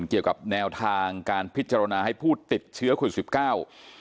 เกี่ยวกับแนวทางการพิจารณาให้ผู้ติดเชื้อโควิดสิบเก้า